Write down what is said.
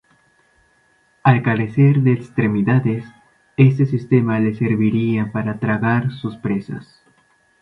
Al carecer de extremidades, este sistema le serviría para tragar sus presas.